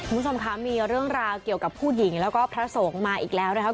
คุณผู้ชมคะมีเรื่องราวเกี่ยวกับผู้หญิงแล้วก็พระสงฆ์มาอีกแล้วนะครับ